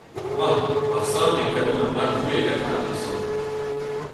Ma, marteze e kavin an alc'hwez e lec'h all neuze ?